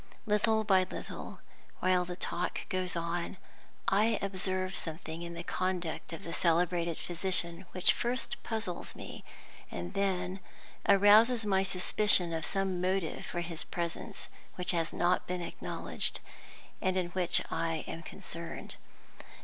Little by little, while the talk goes on, I observe something in the conduct of the celebrated physician which first puzzles me, and then arouses my suspicion of some motive for his presence which has not been acknowledged, and in which I am concerned.